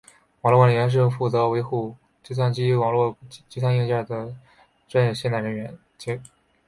网络管理员是负责维护构成计算机网络的计算机硬件和软件的现代专业人员。